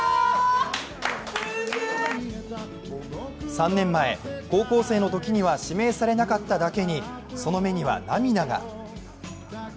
３年前、高校生のときには指名されなかっただけにその目には涙が。